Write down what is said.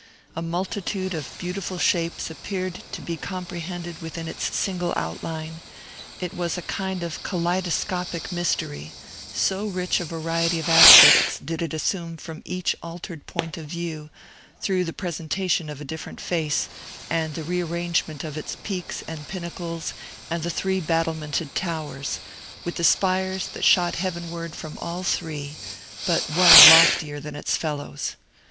A multitude of beautiful shapes appeared to be comprehended within its single outline; it was a kind of kaleidoscopic mystery, so rich a variety of aspects did it assume from each altered point of view, through the presentation of a different face, and the rearrangement of its peaks and pinnacles and the three battlemented towers, with the spires that shot heavenward from all three, but one loftier than its fellows.